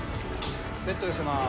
ベッド寄せます。